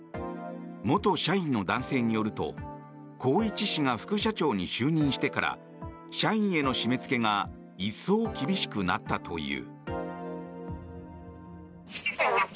元社員の男性によると宏一氏が副社長に就任してから社員への締め付けが一層厳しくなったという。